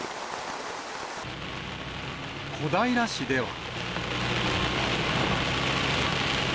小平市では。